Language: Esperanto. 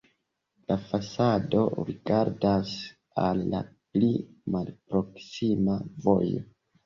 La fasado rigardas al la pli malproksima vojo.